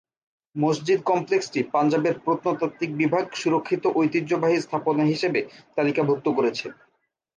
মসজিদ কমপ্লেক্সটি পাঞ্জাবের প্রত্নতাত্ত্বিক বিভাগ সুরক্ষিত ঐতিহ্যবাহী স্থাপনা হিসেবে তালিকাভুক্ত করেছে।